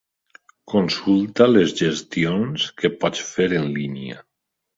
Consulta les gestions que pots fer en línia.